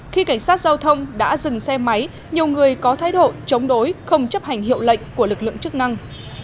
khi cảnh sát giao thông đã dừng xe máy nhiều người có thái độ chống đối không chấp hành hiệu lệnh của lực lượng chức năng